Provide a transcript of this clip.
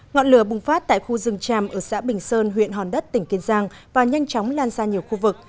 ngọn lửa bùng phát tại khu rừng tràm ở xã bình sơn huyện hòn đất tỉnh kiên giang và nhanh chóng lan ra nhiều khu vực